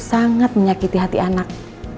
sangat menyakiti hati anak